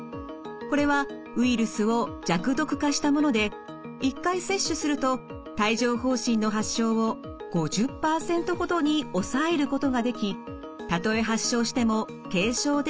これはウイルスを弱毒化したもので１回接種すると帯状ほう疹の発症を５０％ほどに抑えることができたとえ発症しても軽症で済みます。